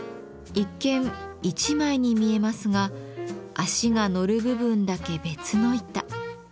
一見一枚に見えますが足が乗る部分だけ別の板。